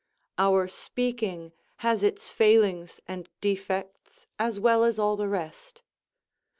Our speaking has its failings and defects, as well as all the rest.